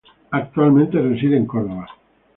Actualmente reside en Córdoba.